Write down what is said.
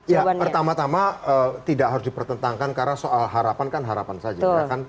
ya pertama tama tidak harus dipertentangkan karena soal harapan kan harapan saja